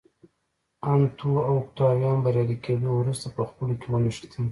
انتو او اوکتاویان بریالي کېدو وروسته په خپلو کې ونښتل